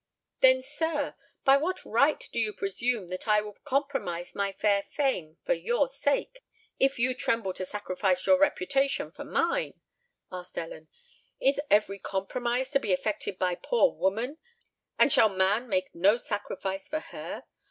"Then, sir, by what right do you presume that I will compromise my fair fame for your sake, if you tremble to sacrifice your reputation for mine?" asked Ellen. "Is every compromise to be effected by poor woman, and shall man make no sacrifice for her?